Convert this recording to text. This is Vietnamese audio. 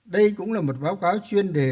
đây cũng là một báo cáo chuyên đề